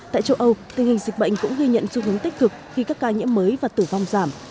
tại châu âu tình hình dịch bệnh cũng ghi nhận xu hướng tích cực khi các ca nhiễm mới và tử vong giảm